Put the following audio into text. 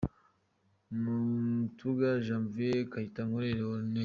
Mutuga Janvier& Kayitankore Lionel.